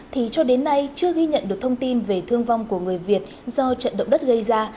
thì cho đến nay chưa ghi nhận được thông tin về thương vong của người việt do trận động đất gây ra